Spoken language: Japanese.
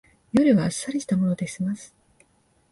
夜はあっさりしたもので済ます